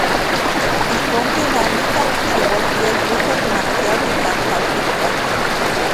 Ijkon ken amikaj kichiualtia iluikak makiaui ipan tlatikpak.